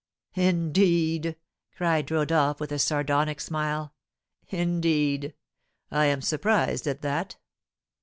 "Indeed!" cried Rodolph, with a sardonic smile. "Indeed! I am surprised at that!